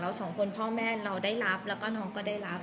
สองคนพ่อแม่เราได้รับแล้วก็น้องก็ได้รับ